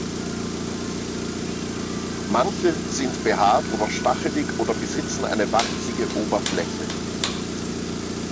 Manche sind behaart oder stachelig oder besitzen eine warzige Oberfläche.